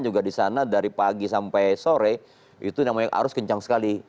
jadi saya juga disana dari pagi sampai sore itu namanya arus kencang sekali